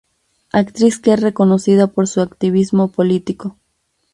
Actriz que es reconocida por su activismo político.